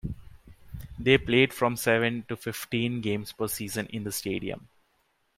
They played from seven to fifteen games per season in the stadium.